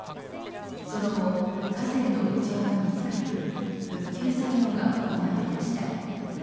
その後、架線の異常が見つかり復旧作業が行われました。